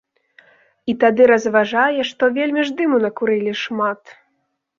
І тады разважае, што вельмі ж дыму накурылі шмат.